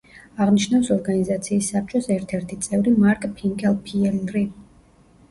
აღნიშნავს ორგანიზაციის საბჭოს ერთ-ერთი წევრი მარკ ფინკელფიელრი.